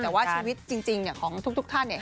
แต่ว่าชีวิตจริงของทุกท่าน